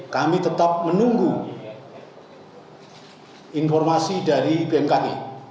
kami tetap menunggu informasi dari bmkg